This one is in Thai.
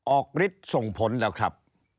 ฤทธิ์ส่งผลแล้วครับ